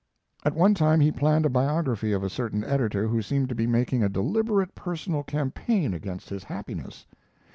At one time he planned a biography of a certain editor who seemed to be making a deliberate personal campaign against his happiness.